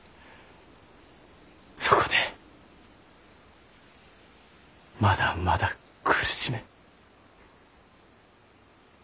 そこでまだまだ苦しめ。